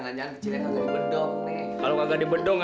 kalau kagak di bendong